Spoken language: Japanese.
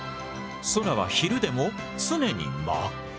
空は昼でも常に真っ暗。